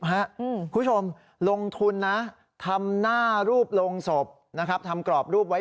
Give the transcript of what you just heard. คุณผู้ชมลงทุนนะทำหน้ารูปลงศพนะครับทำกรอบรูปไว้